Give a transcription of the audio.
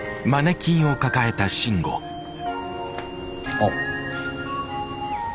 あっ。